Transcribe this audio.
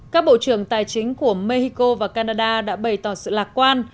các bộ trưởng tài chính của mexico và canada đã bày tỏ sự lạc quan